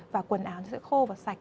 và quần áo nó sẽ khô và sạch